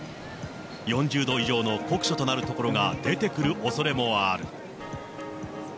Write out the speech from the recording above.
４０度以上の酷暑となる所が出てくるおそれもある。